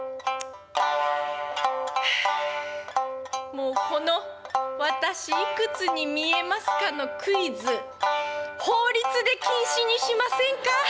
もうこの「私いくつに見えますか？」のクイズ法律で禁止にしませんか？